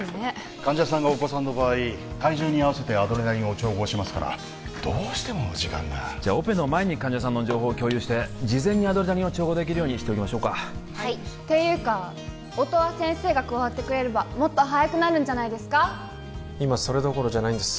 患者さんがお子さんの場合体重に合わせてアドレナリンを調合しますからどうしても時間がじゃあオペの前に患者さんの情報を共有して事前にアドレナリンを調合できるようにしておきましょうかはいていうか音羽先生が加わってくれればもっと早くなるんじゃないですか今それどころじゃないです